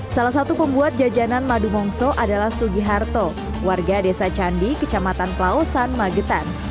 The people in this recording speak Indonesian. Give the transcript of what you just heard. salah satu pembuat jajanan madu mongso adalah sugiharto warga desa candi kecamatan pelausan magetan